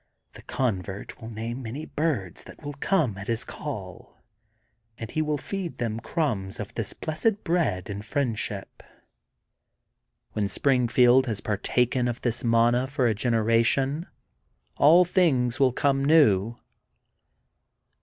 The convert will name many birds that will come at his call and he will feed them crumbs of this Blessed Bread in friendship. When Springfield has partaken of this manna for a generation, all things will be come new.